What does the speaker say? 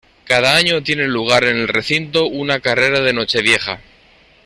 Cada año tiene lugar en el recinto una carrera de Nochevieja.